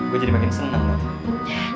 gua jadi makin seneng nanti